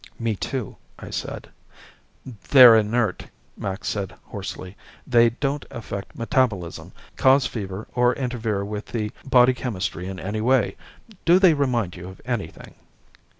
"Me, too," I said. "They're inert," Max said hoarsely. "They don't affect metabolism, cause fever, or interfere with the body chemistry in any way. Do they remind you of anything?"